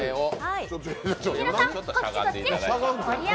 ちょっとしゃがんでいただいて。